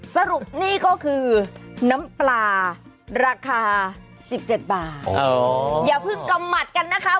สรุปนี่ก็คือน้ำปลาราคา๑๗บาทอย่าเพิ่งกำหมัดกันนะคะ